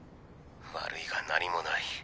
悪いが何もない。